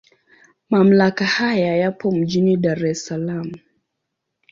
Mamlaka haya yapo mjini Dar es Salaam.